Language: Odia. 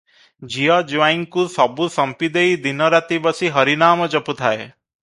ଝିଅ ଜୁଆଇଁଙ୍କୁ ସବୁ ସମ୍ପିଦେଇ ଦିନ ରାତି ବସି ହରି ନାମ ଜପୁଥାଏ |